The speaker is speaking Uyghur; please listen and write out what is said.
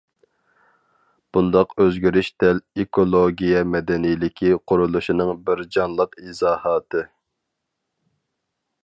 بۇنداق ئۆزگىرىش دەل ئېكولوگىيە مەدەنىيلىكى قۇرۇلۇشىنىڭ بىر جانلىق ئىزاھاتى.